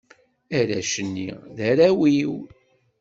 Arrac-nni, d arraw-iw.